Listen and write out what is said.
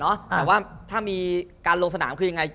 แต่ว่าถ้ามีการลงสนามคือยังไง